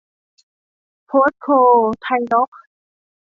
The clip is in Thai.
โพสโค-ไทยน๊อคซ์